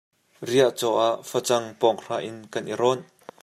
Riahcaw ah facang pawng hra in kan i rawnh.